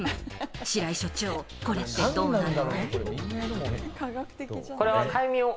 白井所長、これってどうなの？